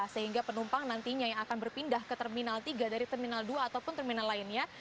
sehingga penumpang nantinya yang akan berpindah ke terminal tiga dari terminal dua ataupun terminal lainnya